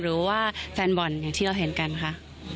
หรือว่าแฟนบอลอย่างที่เราเห็นกันค่ะ